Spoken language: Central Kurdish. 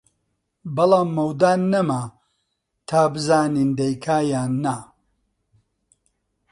بەڵام مەودا نەما تا بزانین دەیکا یان نا